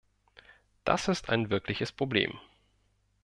Das ist ein wirkliches Problem.